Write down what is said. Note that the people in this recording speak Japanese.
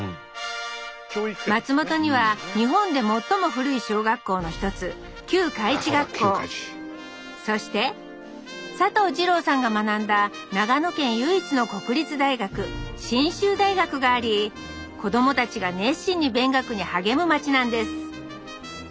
松本には日本で最も古い小学校の一つ旧開智学校そして佐藤二朗さんが学んだ長野県唯一の国立大学信州大学があり子どもたちが熱心に勉学に励む町なんです